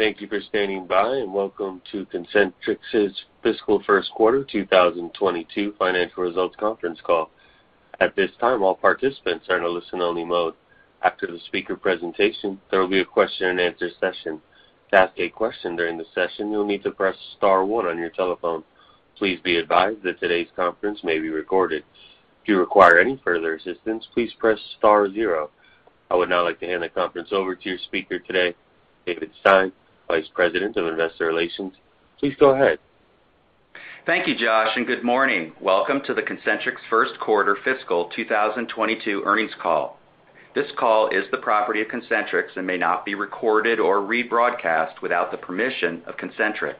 Thank you for standing by, and welcome to Concentrix's Fiscal First Quarter 2022 financial results conference call. At this time, all participants are in a listen-only mode. After the speaker presentation, there will be a question-and-answer session. To ask a question during the session, you'll need to press star one on your telephone. Please be advised that today's conference may be recorded. If you require any further assistance, please press star zero. I would now like to hand the conference over to your speaker today, David Stein, Vice President of Investor Relations. Please go ahead. Thank you, Josh, and good morning. Welcome to the Concentrix First Quarter Fiscal 2022 earnings call. This call is the property of Concentrix and may not be recorded or rebroadcast without the permission of Concentrix.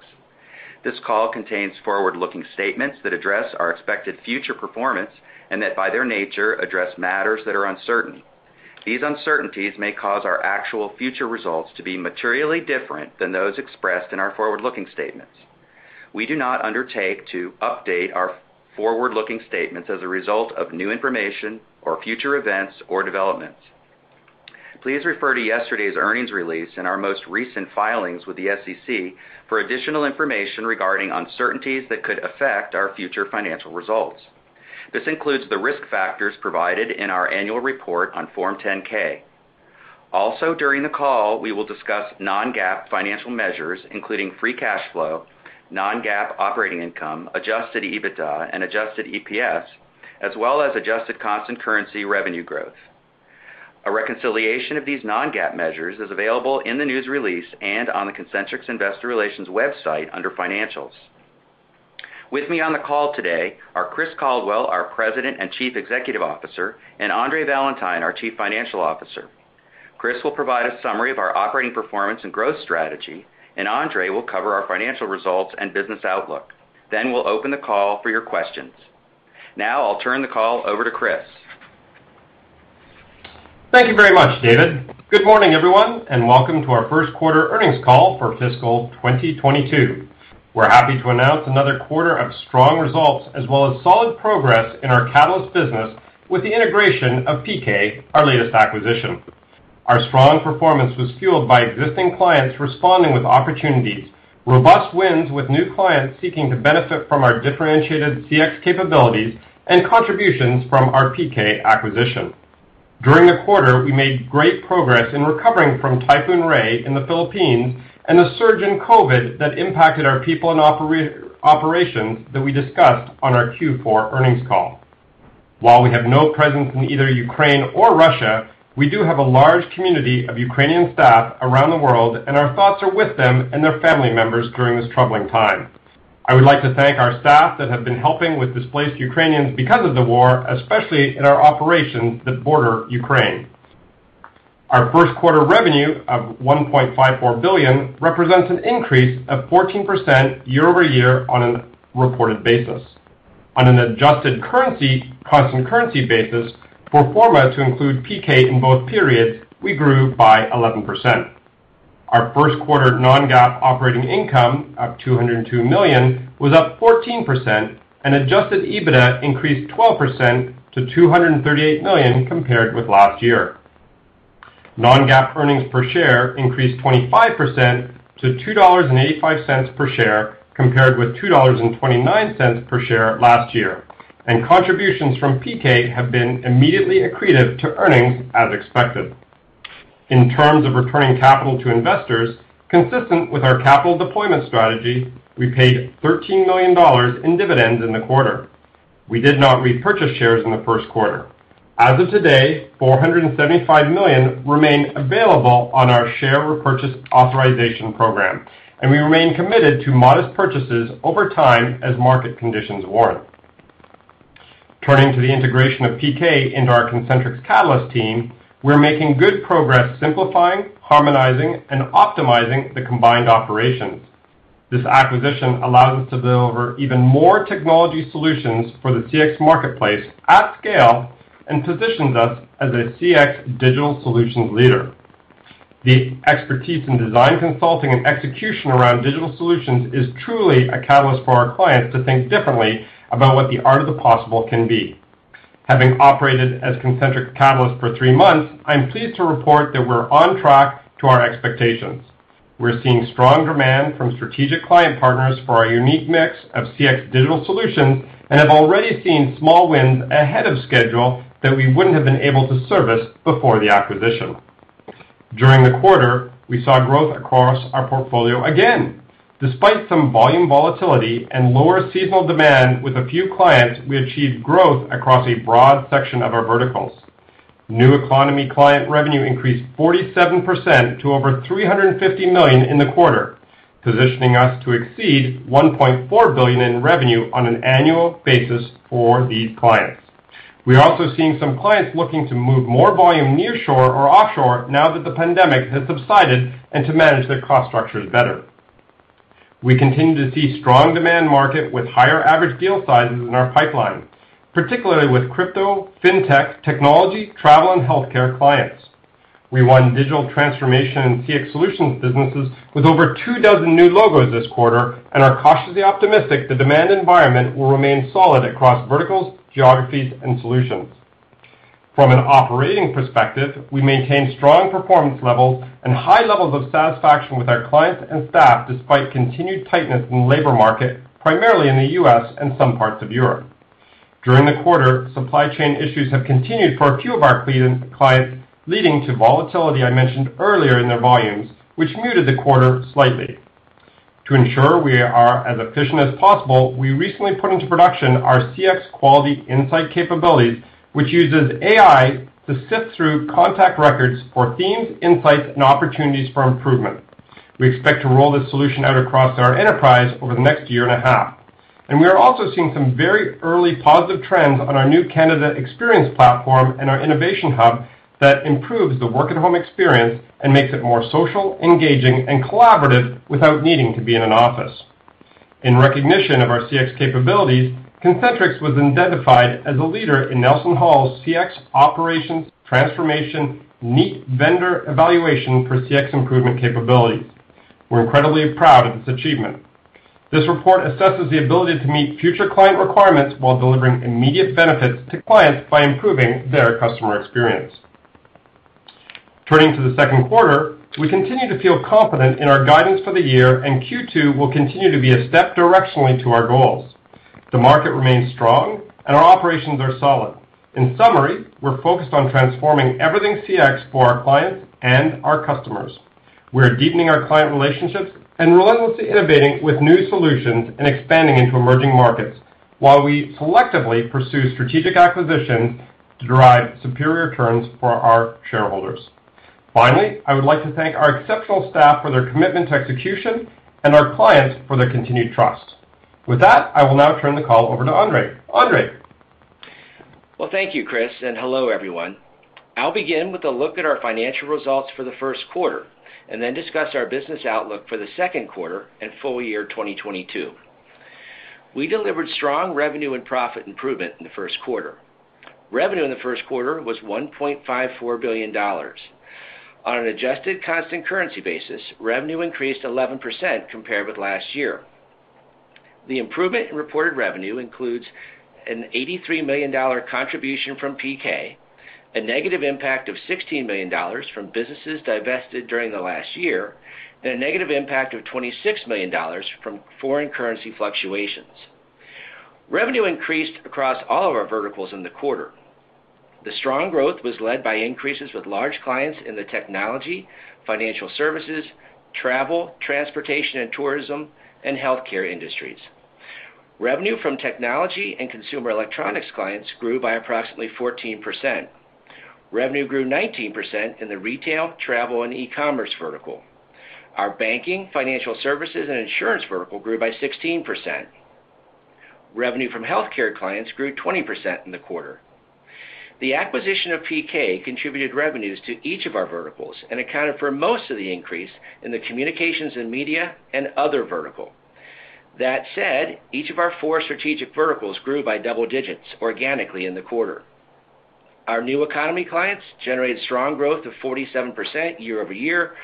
This call contains forward-looking statements that address our expected future performance and that, by their nature, address matters that are uncertain. These uncertainties may cause our actual future results to be materially different than those expressed in our forward-looking statements. We do not undertake to update our forward-looking statements as a result of new information or future events or developments. Please refer to yesterday's earnings release and our most recent filings with the SEC for additional information regarding uncertainties that could affect our future financial results. This includes the risk factors provided in our annual report on Form 10-K. Also, during the call, we will discuss non-GAAP financial measures, including free cash flow, non-GAAP operating income, adjusted EBITDA, and adjusted EPS, as well as adjusted constant currency revenue growth. A reconciliation of these non-GAAP measures is available in the news release and on the Concentrix Investor Relations website under Financials. With me on the call today are Chris Caldwell, our President and Chief Executive Officer, and Andre Valentine, our Chief Financial Officer. Chris will provide a summary of our operating performance and growth strategy, and Andre will cover our financial results and business outlook. Then we'll open the call for your questions. Now I'll turn the call over to Chris. Thank you very much, David. Good morning, everyone, and welcome to our first quarter earnings call for fiscal 2022. We're happy to announce another quarter of strong results as well as solid progress in our Catalyst business with the integration of PK, our latest acquisition. Our strong performance was fueled by existing clients responding with opportunities, robust wins with new clients seeking to benefit from our differentiated CX capabilities and contributions from our PK acquisition. During the quarter, we made great progress in recovering from Typhoon Rai in the Philippines and the surge in COVID that impacted our people and operations that we discussed on our Q4 earnings call. While we have no presence in either Ukraine or Russia, we do have a large community of Ukrainian staff around the world, and our thoughts are with them and their family members during this troubling time. I would like to thank our staff that have been helping with displaced Ukrainians because of the war, especially in our operations that border Ukraine. Our first quarter revenue of $1.54 billion represents an increase of 14% year-over-year on a reported basis. On an adjusted currency constant currency basis, pro forma to include PK in both periods, we grew by 11%. Our first quarter non-GAAP operating income of $202 million was up 14%, and adjusted EBITDA increased 12% to $238 million compared with last year. Non-GAAP earnings per share increased 25% to $2.85 per share, compared with $2.29 per share last year. Contributions from PK have been immediately accretive to earnings as expected. In terms of returning capital to investors, consistent with our capital deployment strategy, we paid $13 million in dividends in the quarter. We did not repurchase shares in the first quarter. As of today, $475 million remain available on our share repurchase authorization program, and we remain committed to modest purchases over time as market conditions warrant. Turning to the integration of PK into our Concentrix Catalyst team, we're making good progress simplifying, harmonizing and optimizing the combined operations. This acquisition allows us to deliver even more technology solutions for the CX marketplace at scale and positions us as a CX digital solutions leader. The expertise in design consulting and execution around digital solutions is truly a catalyst for our clients to think differently about what the art of the possible can be. Having operated as Concentrix Catalyst for three months, I'm pleased to report that we're on track to our expectations. We're seeing strong demand from strategic client partners for our unique mix of CX digital solutions and have already seen small wins ahead of schedule that we wouldn't have been able to service before the acquisition. During the quarter, we saw growth across our portfolio again. Despite some volume volatility and lower seasonal demand with a few clients, we achieved growth across a broad section of our verticals. New economy client revenue increased 47% to over $350 million in the quarter, positioning us to exceed $1.4 billion in revenue on an annual basis for these clients. We are also seeing some clients looking to move more volume nearshore or offshore now that the pandemic has subsided and to manage their cost structures better. We continue to see strong demand market with higher average deal sizes in our pipeline, particularly with crypto, fintech, technology, travel and healthcare clients. We won digital transformation and CX solutions businesses with over 24 new logos this quarter and are cautiously optimistic the demand environment will remain solid across verticals, geographies, and solutions. From an operating perspective, we maintained strong performance levels and high levels of satisfaction with our clients and staff despite continued tightness in the labor market, primarily in the U.S. and some parts of Europe. During the quarter, supply chain issues have continued for a few of our clients, leading to volatility I mentioned earlier in their volumes, which muted the quarter slightly. To ensure we are as efficient as possible, we recently put into production our CX Quality Insight capabilities, which uses AI to sift through contact records for themes, insights, and opportunities for improvement. We expect to roll this solution out across our enterprise over the next year and a half. We are also seeing some very early positive trends on our new Concentrix Experience Platform and our innovation hub that improves the work-at-home experience and makes it more social, engaging, and collaborative without needing to be in an office. In recognition of our CX capabilities, Concentrix was identified as a leader in NelsonHall's CX Operations Transformation NEAT Vendor Evaluation for CX Improvement Capabilities. We're incredibly proud of this achievement. This report assesses the ability to meet future client requirements while delivering immediate benefits to clients by improving their customer experience. Turning to the second quarter, we continue to feel confident in our guidance for the year, and Q2 will continue to be a step directionally to our goals. The market remains strong and our operations are solid. In summary, we're focused on transforming everything CX for our clients and our customers. We're deepening our client relationships and relentlessly innovating with new solutions and expanding into emerging markets while we selectively pursue strategic acquisitions to derive superior returns for our shareholders. Finally, I would like to thank our exceptional staff for their commitment to execution and our clients for their continued trust. With that, I will now turn the call over to Andre. Andre? Well, thank you, Chris, and hello, everyone. I'll begin with a look at our financial results for the first quarter and then discuss our business outlook for the second quarter and full year 2022. We delivered strong revenue and profit improvement in the first quarter. Revenue in the first quarter was $1.54 billion. On an adjusted constant currency basis, revenue increased 11% compared with last year. The improvement in reported revenue includes an $83 million contribution from PK, a negative impact of $16 million from businesses divested during the last year, and a negative impact of $26 million from foreign currency fluctuations. Revenue increased across all of our verticals in the quarter. The strong growth was led by increases with large clients in the technology, financial services, travel, transportation and tourism, and healthcare industries. Revenue from technology and consumer electronics clients grew by approximately 14%. Revenue grew 19% in the retail, travel, and e-commerce vertical. Our banking, financial services, and insurance vertical grew by 16%. Revenue from healthcare clients grew 20% in the quarter. The acquisition of PK contributed revenues to each of our verticals and accounted for most of the increase in the communications and media and other vertical. That said, each of our four strategic verticals grew by double digits organically in the quarter. Our new economy clients generated strong growth of 47% year-over-year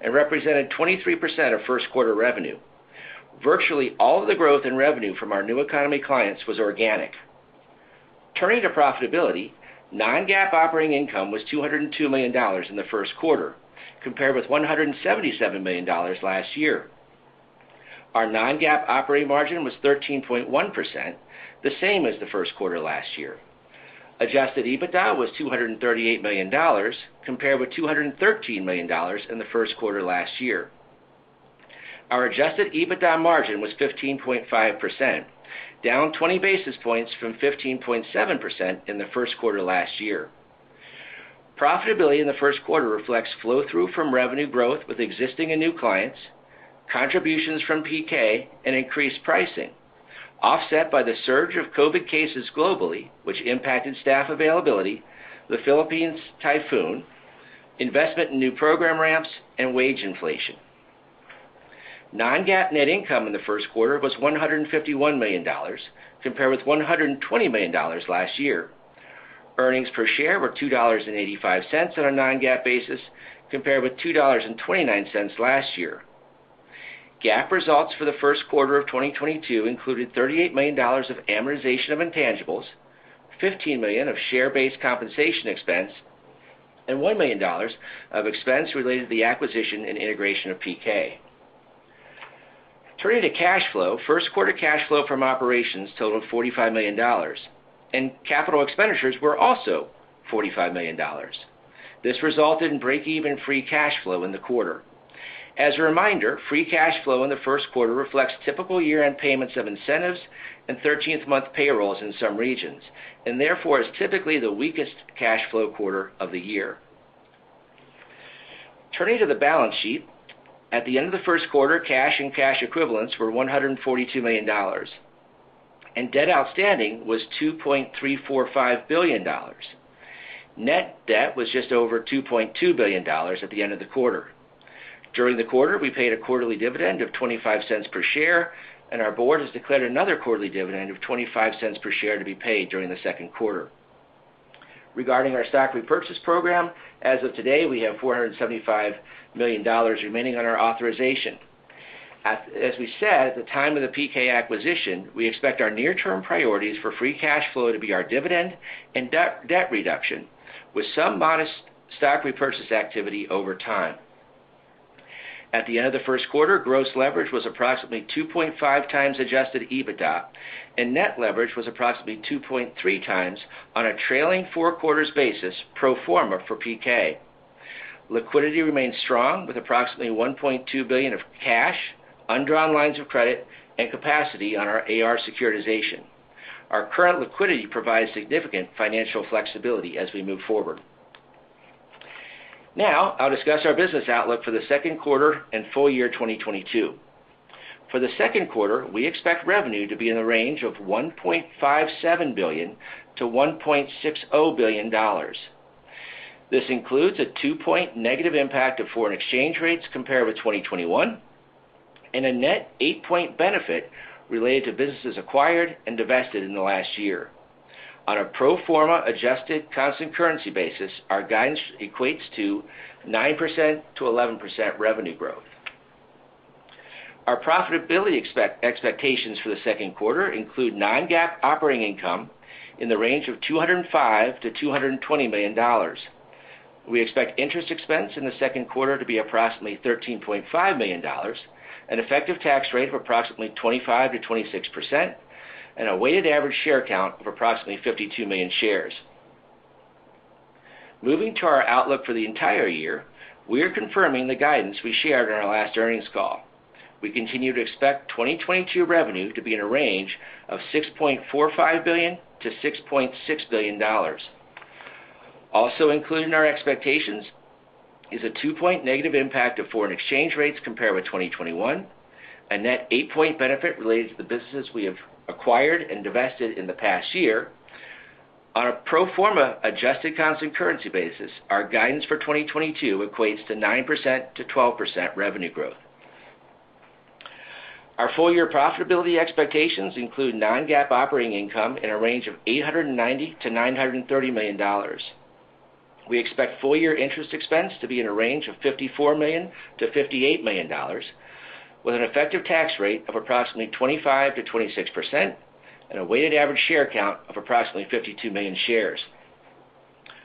and represented 23% of first quarter revenue. Virtually all of the growth in revenue from our new economy clients was organic. Turning to profitability, non-GAAP operating income was $202 million in the first quarter compared with $177 million last year. Our non-GAAP operating margin was 13.1%, the same as the first quarter last year. Adjusted EBITDA was $238 million compared with $213 million in the first quarter last year. Our adjusted EBITDA margin was 15.5%, down 20 basis points from 15.7% in the first quarter last year. Profitability in the first quarter reflects flow-through from revenue growth with existing and new clients, contributions from PK, and increased pricing, offset by the surge of COVID cases globally, which impacted staff availability, the Philippines typhoon, investment in new program ramps, and wage inflation. Non-GAAP net income in the first quarter was $151 million compared with $120 million last year. Earnings per share were $2.85 on a non-GAAP basis compared with $2.29 last year. GAAP results for the first quarter of 2022 included $38 million of amortization of intangibles, $15 million of share-based compensation expense, and $1 million of expense related to the acquisition and integration of PK. Turning to cash flow, first quarter cash flow from operations totaled $45 million, and capital expenditures were also $45 million. This resulted in break-even free cash flow in the quarter. As a reminder, free cash flow in the first quarter reflects typical year-end payments of incentives and thirteenth-month payrolls in some regions, and therefore, is typically the weakest cash flow quarter of the year. Turning to the balance sheet, at the end of the first quarter, cash and cash equivalents were $142 million, and debt outstanding was $2.345 billion. Net debt was just over $2.2 billion at the end of the quarter. During the quarter, we paid a quarterly dividend of $0.25 per share, and our board has declared another quarterly dividend of $0.25 per share to be paid during the second quarter. Regarding our stock repurchase program, as of today, we have $475 million remaining on our authorization. As we said at the time of the PK acquisition, we expect our near-term priorities for free cash flow to be our dividend and debt reduction, with some modest stock repurchase activity over time. At the end of the first quarter, gross leverage was approximately 2.5 times adjusted EBITDA, and net leverage was approximately 2.3 times on a trailing four quarters basis pro forma for PK. Liquidity remains strong, with approximately $1.2 billion of cash, undrawn lines of credit, and capacity on our AR securitization. Our current liquidity provides significant financial flexibility as we move forward. Now I'll discuss our business outlook for the second quarter and full year 2022. For the second quarter, we expect revenue to be in the range of $1.57 billion-$1.60 billion. This includes a 2% negative impact of foreign exchange rates compared with 2021, and a net 8% benefit related to businesses acquired and divested in the last year. On a pro forma adjusted constant currency basis, our guidance equates to 9%-11% revenue growth. Our profitability expectations for the second quarter include non-GAAP operating income in the range of $205 million-$220 million. We expect interest expense in the second quarter to be approximately $13.5 million, an effective tax rate of approximately 25%-26%, and a weighted average share count of approximately 52 million shares. Moving to our outlook for the entire year, we are confirming the guidance we shared on our last earnings call. We continue to expect 2022 revenue to be in a range of $6.45 billion-$6.6 billion. Also included in our expectations is a two-point negative impact of foreign exchange rates compared with 2021. A net 8-point benefit related to the businesses we have acquired and divested in the past year. On a pro forma adjusted constant currency basis, our guidance for 2022 equates to 9%-12% revenue growth. Our full year profitability expectations include non-GAAP operating income in a range of $890 million-$930 million. We expect full year interest expense to be in a range of $54 million-$58 million, with an effective tax rate of approximately 25%-26% and a weighted average share count of approximately 52 million shares.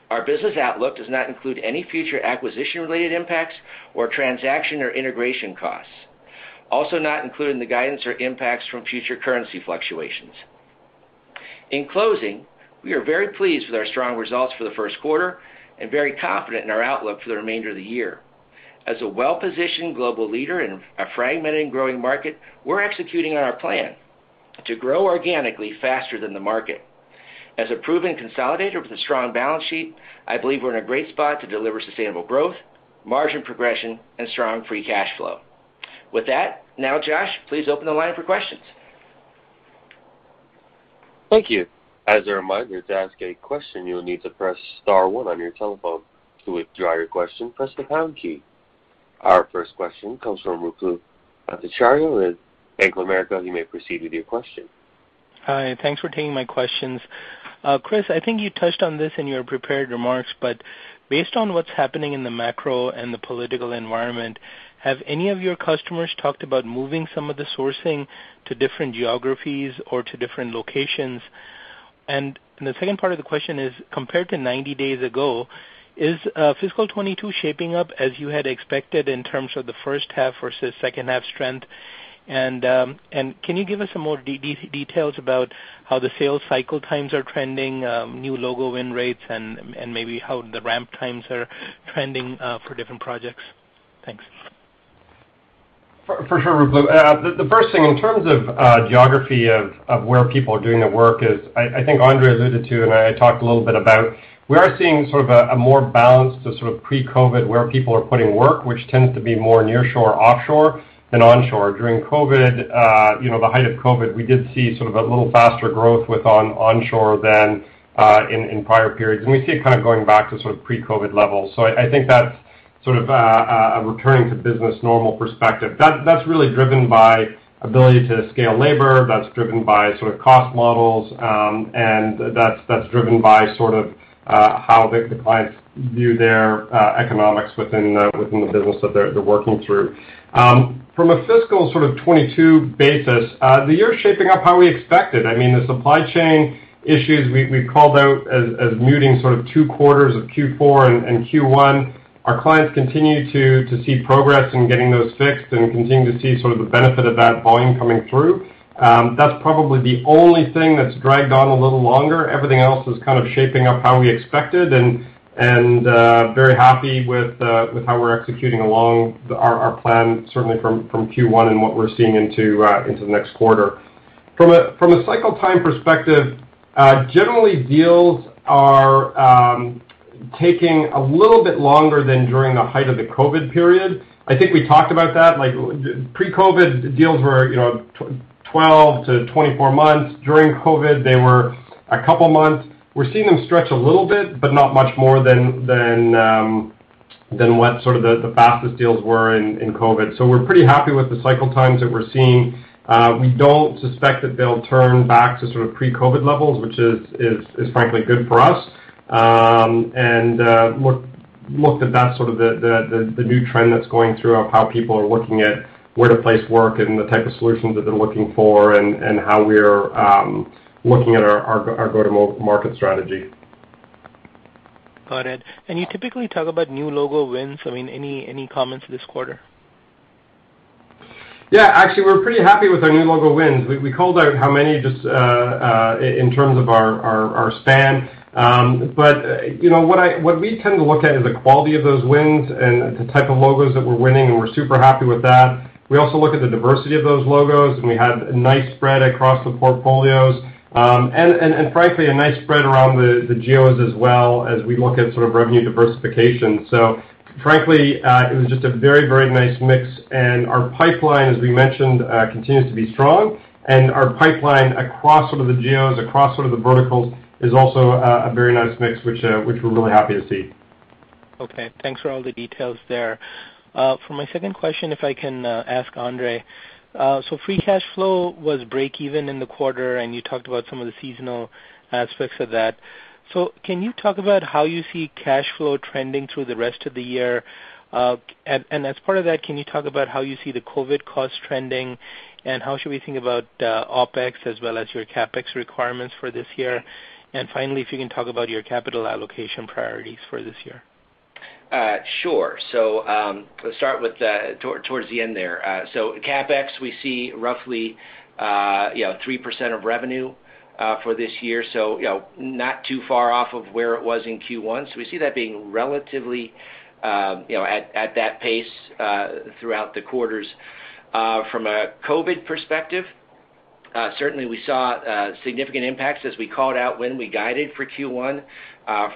Our business outlook does not include any future acquisition-related impacts or transaction or integration costs. Also not included in the guidance are impacts from future currency fluctuations. In closing, we are very pleased with our strong results for the first quarter and very confident in our outlook for the remainder of the year. As a well-positioned global leader in a fragmented and growing market, we're executing on our plan to grow organically faster than the market. As a proven consolidator with a strong balance sheet, I believe we're in a great spot to deliver sustainable growth, margin progression, and strong free cash flow. With that, now, Josh, please open the line for questions. Thank you. As a reminder, to ask a question, you will need to press star one on your telephone. To withdraw your question, press the pound key. Our first question comes from Ruplu Bhattacharya with Bank of America. You may proceed with your question. Hi, thanks for taking my questions. Chris, I think you touched on this in your prepared remarks, but based on what's happening in the macro and the political environment, have any of your customers talked about moving some of the sourcing to different geographies or to different locations? The second part of the question is, compared to 90 days ago, is fiscal 2022 shaping up as you had expected in terms of the first half versus second half strength? Can you give us some more details about how the sales cycle times are trending, new logo win rates and maybe how the ramp times are trending for different projects? Thanks. For sure, Ruplu. The first thing, in terms of geography of where people are doing their work is, I think Andre alluded to and I talked a little bit about, we are seeing sort of a more balanced sort of pre-COVID where people are putting work, which tends to be more near-shore, offshore than onshore. During COVID, the height of COVID, we did see sort of a little faster growth with onshore than in prior periods. We see it kind of going back to sort of pre-COVID levels. I think that's sort of a returning to business as normal perspective. That's really driven by ability to scale labor, that's driven by sort of cost models, and that's driven by sort of how the clients view their economics within the business that they're working through. From a fiscal 2022 basis, the year's shaping up how we expected. I mean, the supply chain issues we called out as muting sort of 2 quarters of Q4 and Q1. Our clients continue to see progress in getting those fixed and continue to see sort of the benefit of that volume coming through. That's probably the only thing that's dragged on a little longer. Everything else is kind of shaping up how we expected, and very happy with how we're executing along our plan, certainly from Q1 and what we're seeing into the next quarter. From a cycle time perspective, generally deals are taking a little bit longer than during the height of the COVID period. I think we talked about that, like pre-COVID deals were, you know, 12-24 months. During COVID, they were a couple months. We're seeing them stretch a little bit, but not much more than what sort of the fastest deals were in COVID. So we're pretty happy with the cycle times that we're seeing. We don't suspect that they'll turn back to sort of pre-COVID levels, which is frankly good for us. And we're- Looked at that sort of the new trend that's going through of how people are looking at where to place work and the type of solutions that they're looking for, and how we're looking at our go-to-market strategy. Got it. You typically talk about new logo wins. I mean, any comments this quarter? Yeah, actually, we're pretty happy with our new logo wins. We called out how many just in terms of our span. You know, what we tend to look at is the quality of those wins and the type of logos that we're winning, and we're super happy with that. We also look at the diversity of those logos, and we had a nice spread across the portfolios. Frankly, a nice spread around the geos as well as we look at sort of revenue diversification. Frankly, it was just a very nice mix, and our pipeline, as we mentioned, continues to be strong. Our pipeline across some of the geos, across some of the verticals is also a very nice mix, which we're really happy to see. Okay. Thanks for all the details there. For my second question, if I can, ask Andre. Free cash flow was breakeven in the quarter, and you talked about some of the seasonal aspects of that. Can you talk about how you see cash flow trending through the rest of the year? And as part of that, can you talk about how you see the COVID cost trending, and how should we think about OpEx as well as your CapEx requirements for this year? Finally, if you can talk about your capital allocation priorities for this year. Sure. Let's start with towards the end there. CapEx, we see roughly 3% of revenue for this year, you know, not too far off of where it was in Q1. We see that being relatively, you know, at that pace throughout the quarters. From a COVID perspective, certainly we saw significant impacts as we called out when we guided for Q1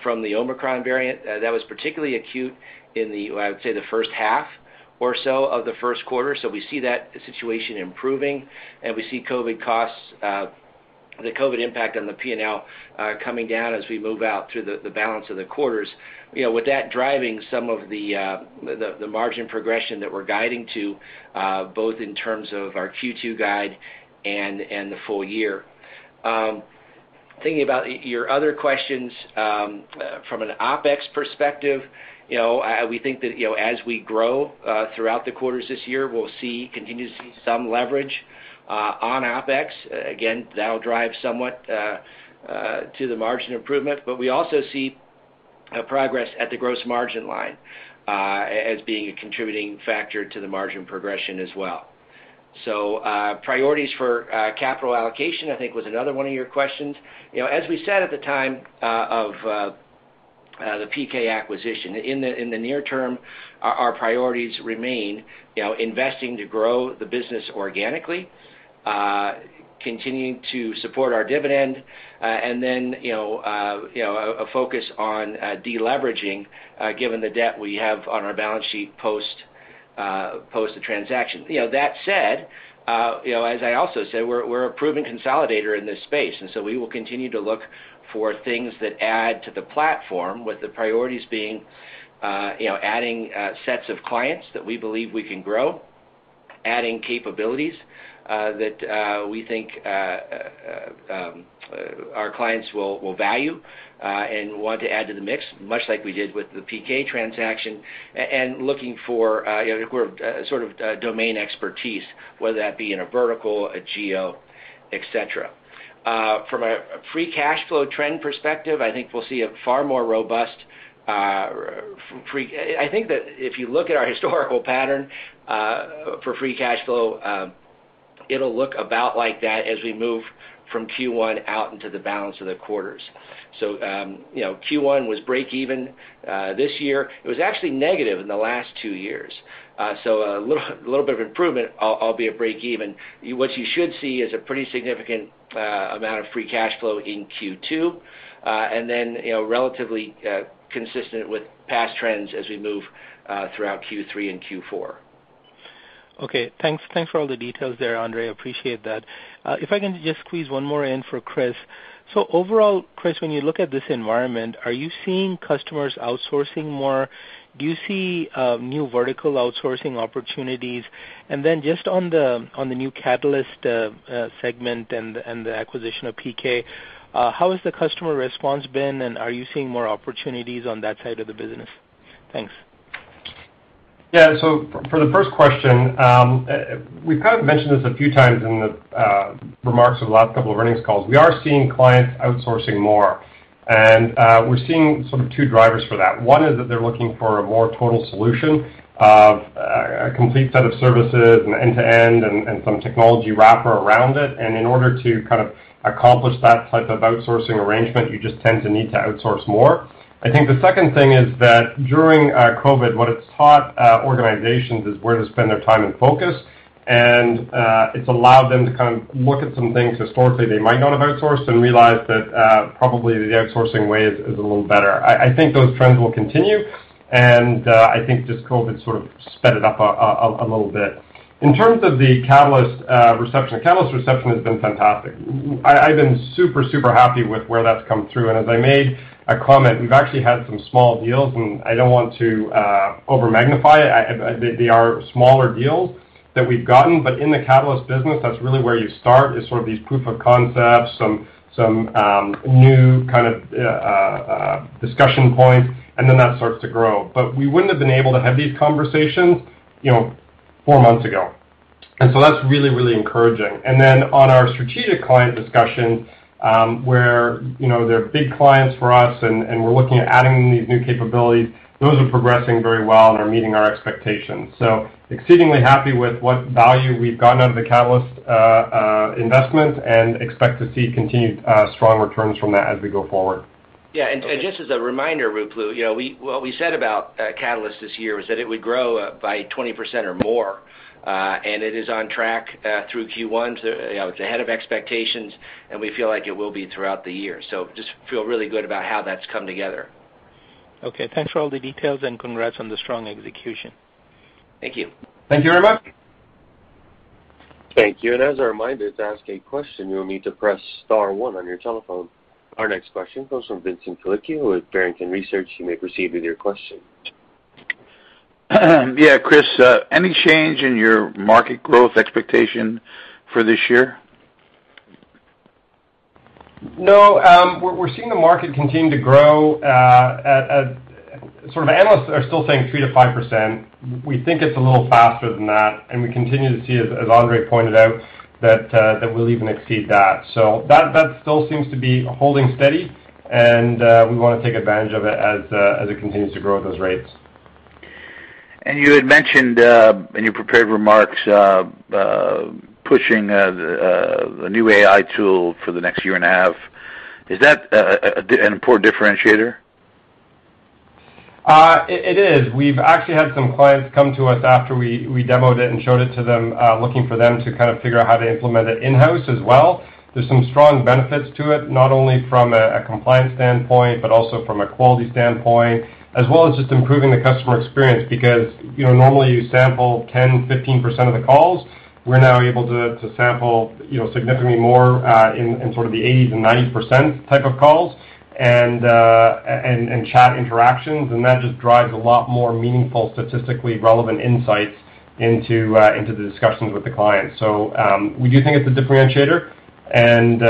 from the Omicron variant that was particularly acute in the, I would say, the first half or so of the first quarter. We see that situation improving, and we see the COVID impact on the P&L coming down as we move out through the balance of the quarters. You know, with that driving some of the margin progression that we're guiding to, both in terms of our Q2 guide and the full year. Thinking about your other questions, from an OpEx perspective, you know, we think that, you know, as we grow throughout the quarters this year, we'll continue to see some leverage on OpEx. Again, that'll drive somewhat to the margin improvement. We also see progress at the gross margin line as being a contributing factor to the margin progression as well. Priorities for capital allocation, I think, was another one of your questions. You know, as we said at the time of the PK acquisition, in the near term, our priorities remain, you know, investing to grow the business organically, continuing to support our dividend, and then, you know, a focus on de-leveraging, given the debt we have on our balance sheet post the transaction. You know, that said, you know, as I also said, we're a proven consolidator in this space, and so we will continue to look for things that add to the platform, with the priorities being, you know, adding sets of clients that we believe we can grow, adding capabilities that we think our clients will value and want to add to the mix, much like we did with the PK transaction, and looking for, you know, sort of, domain expertise, whether that be in a vertical, a geo, et cetera. From a free cash flow trend perspective, I think we'll see a far more robust free cash flow. I think that if you look at our historical pattern for free cash flow, it'll look about like that as we move from Q1 out into the balance of the quarters. You know, Q1 was breakeven this year. It was actually negative in the last two years. A little bit of improvement, albeit breakeven. What you should see is a pretty significant amount of free cash flow in Q2, and then, you know, relatively consistent with past trends as we move throughout Q3 and Q4. Okay. Thanks for all the details there, Andre. Appreciate that. If I can just squeeze one more in for Chris. Overall, Chris, when you look at this environment, are you seeing customers outsourcing more? Do you see new vertical outsourcing opportunities? And then just on the new Catalyst segment and the acquisition of PK, how has the customer response been, and are you seeing more opportunities on that side of the business? Thanks. For the first question, we've kind of mentioned this a few times in the remarks of the last couple of earnings calls. We are seeing clients outsourcing more, and we're seeing sort of two drivers for that. One is that they're looking for a more total solution of a complete set of services, an end-to-end, and some technology wrapper around it. In order to kind of accomplish that type of outsourcing arrangement, you just tend to need to outsource more. I think the second thing is that during COVID, what it's taught organizations is where to spend their time and focus, and it's allowed them to kind of look at some things historically they might not have outsourced and realize that probably the outsourcing way is a little better. I think those trends will continue, and I think just COVID sort of sped it up a little bit. In terms of the Catalyst reception, Catalyst reception has been fantastic. I've been super happy with where that's come through. As I made a comment, we've actually had some small deals, and I don't want to over-magnify it. They are smaller deals that we've gotten, but in the Catalyst business, that's really where you start is sort of these proof of concepts, some new kind of discussion points, and then that starts to grow. We wouldn't have been able to have these conversations, you know, four months ago. That's really encouraging. Then on our strategic client discussion, where, you know, they're big clients for us and we're looking at adding these new capabilities, those are progressing very well and are meeting our expectations. Exceedingly happy with what value we've gotten out of the Catalyst investment and expect to see continued strong returns from that as we go forward. Yeah. Just as a reminder, Ruplu, you know, what we said about Catalyst this year was that it would grow by 20% or more, and it is on track through Q1. You know, it's ahead of expectations, and we feel like it will be throughout the year. Just feel really good about how that's come together. Okay. Thanks for all the details, and congrats on the strong execution. Thank you. Thank you very much. Thank you. As a reminder, to ask a question, you will need to press star one on your telephone. Our next question comes from Vincent Colicchio with Barrington Research. You may proceed with your question. Yeah. Chris, any change in your market growth expectation for this year? No. We're seeing the market continue to grow at sort of analysts are still saying 3%-5%. We think it's a little faster than that, and we continue to see, as Andre pointed out, that we'll even exceed that. That still seems to be holding steady, and we wanna take advantage of it as it continues to grow at those rates. You had mentioned in your prepared remarks pushing a new AI tool for the next year and a half. Is that an important differentiator? It is. We've actually had some clients come to us after we demoed it and showed it to them, looking for them to kind of figure out how to implement it in-house as well. There's some strong benefits to it, not only from a compliance standpoint, but also from a quality standpoint, as well as just improving the customer experience. Because, you know, normally you sample 10, 15% of the calls. We're now able to sample, you know, significantly more, in sort of the 80s and 90% type of calls and chat interactions, and that just drives a lot more meaningful, statistically relevant insights into the discussions with the clients. We do think it's a differentiator, and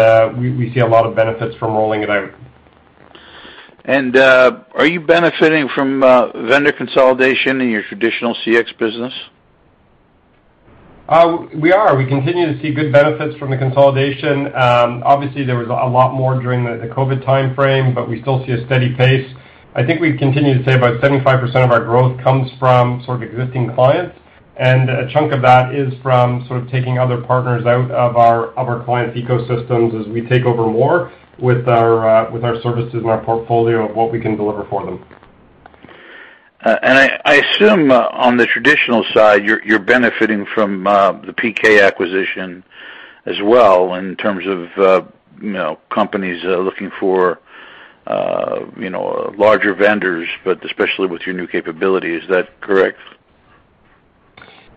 we see a lot of benefits from rolling it out. Are you benefiting from vendor consolidation in your traditional CX business? We continue to see good benefits from the consolidation. Obviously, there was a lot more during the COVID timeframe, but we still see a steady pace. I think we've continued to say about 75% of our growth comes from sort of existing clients, and a chunk of that is from sort of taking other partners out of our clients' ecosystems as we take over more with our services and our portfolio of what we can deliver for them. I assume on the traditional side, you're benefiting from the PK acquisition as well in terms of you know companies looking for you know larger vendors, but especially with your new capability. Is that correct?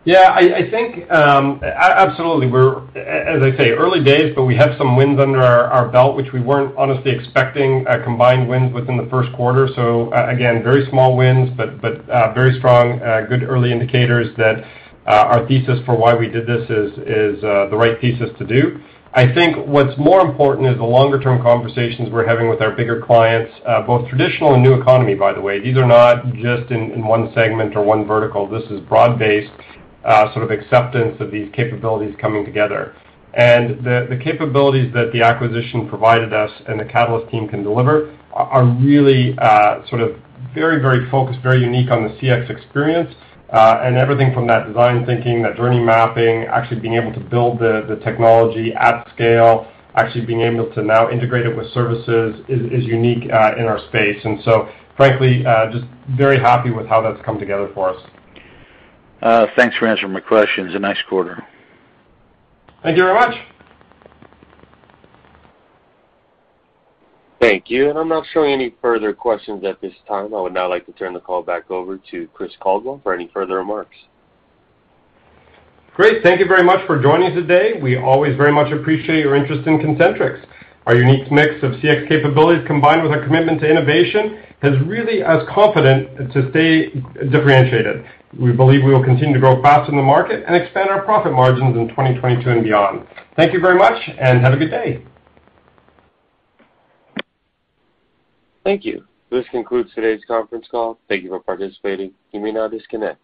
Yeah. I think absolutely. As I say, early days, but we have some wins under our belt, which we weren't honestly expecting, combined wins within the first quarter. Again, very small wins but very strong, good early indicators that our thesis for why we did this is the right thesis to do. I think what's more important is the longer term conversations we're having with our bigger clients, both traditional and new economy, by the way. These are not just in one segment or one vertical. This is broad-based, sort of acceptance of these capabilities coming together. The capabilities that the acquisition provided us and the Catalyst team can deliver are really, sort of very, very focused, very unique on the CX experience. Everything from that design thinking, that journey mapping, actually being able to build the technology at scale, actually being able to now integrate it with services is unique in our space. Frankly, just very happy with how that's come together for us. Thanks for answering my questions. A nice quarter. Thank you very much. Thank you. I'm not showing any further questions at this time. I would now like to turn the call back over to Chris Caldwell for any further remarks. Great. Thank you very much for joining today. We always very much appreciate your interest in Concentrix. Our unique mix of CX capabilities combined with our commitment to innovation has really made us confident to stay differentiated. We believe we will continue to grow fast in the market and expand our profit margins in 2022 and beyond. Thank you very much, and have a good day. Thank you. This concludes today's conference call. Thank you for participating. You may now disconnect.